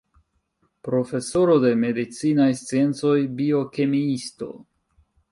Profesoro de medicinaj sciencoj, biokemiisto.